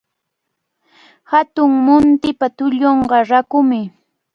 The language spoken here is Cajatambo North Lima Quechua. Hatun muntipa tullunqa rakumi.